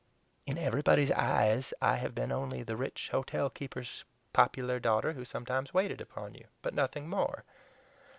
In everybody's eyes I have been only the rich hotel keeper's popular daughter who sometimes waited upon you but nothing more.